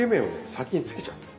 先につけちゃう。